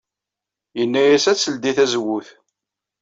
Yenna-as ad teldey tazewwut.